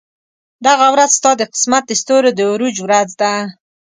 دغه ورځ ستا د قسمت د ستورو د عروج ورځ ده.